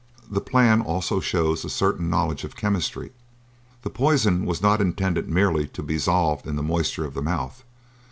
The plan also shows a certain knowledge of chemistry; the poison was not intended merely to be dissolved in the moisture of the mouth.